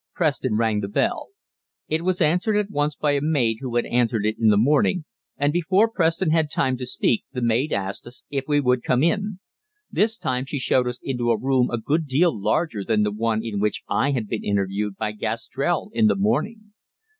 Preston rang the bell. It was answered at once by a maid who had answered it in the morning, and before Preston had time to speak the maid asked us if we would come in. This time she showed us into a room a good deal larger than the one in which I had been interviewed by Gastrell in the morning.